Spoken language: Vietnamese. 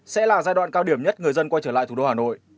sẽ là giai đoạn cao điểm nhất người dân quay trở lại thủ đô hà nội